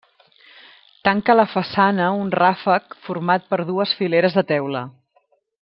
Tanca la façana un ràfec format per dues fileres de teula.